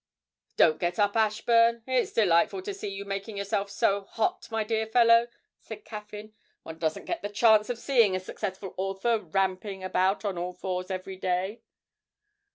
'Don't get up, Ashburn; it's delightful to see you making yourself so hot, my dear fellow,' said Caffyn. 'One doesn't get the chance of seeing a successful author ramping about on all fours every day.'